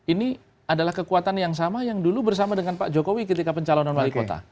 ini adalah kekuatan yang sama yang dulu bersama dengan pak jokowi ketika pencalonan wali kota